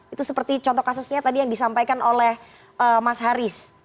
itu seperti contoh kasusnya tadi yang disampaikan oleh mas haris